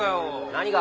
何が？